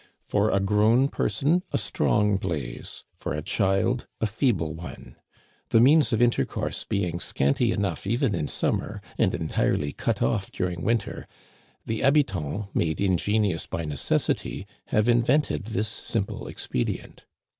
For a grown person, a strong blaze ; for a child, a feeble one. The means of intercourse being scanty enough even in summer, and entirely cut off during winter, the habitants, made ingenious by necessity, have invented this simple expedient.